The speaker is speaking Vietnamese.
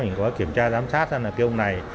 mình có kiểm tra giám sát xem là cái ông này